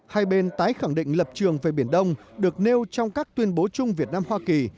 hai bên tái khẳng định lập trường về biển đông được nêu trong các tuyên bố chung việt nam hoa kỳ